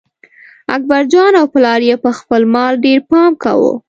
اکبرجان او پلار یې په خپل مال ډېر پام کاوه.